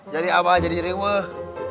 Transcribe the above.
jadi apa aja diri weh